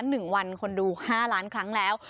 หนึ่งวันคนดูห้าล้านครั้งแล้ว